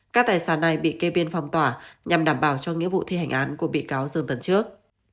các tài sản này bị kê biên phong tỏa nhằm đảm bảo cho nghĩa vụ thi hành án của bị cáo dương tần trước